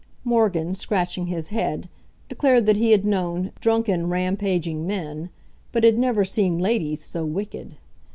Morgan, scratching his head, declared that he had known "drunken rampaging men," but had never seen ladies so wicked.